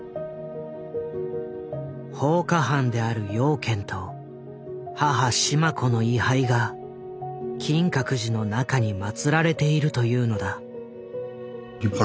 放火犯である養賢と母・志満子の位牌が金閣寺の中にまつられているというのだ。